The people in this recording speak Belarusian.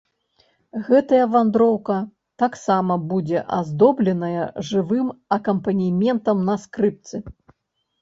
Гэтая вандроўка таксама будзе аздобленая жывым акампанементам на скрыпцы!